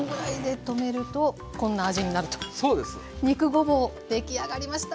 肉ごぼう出来上がりました。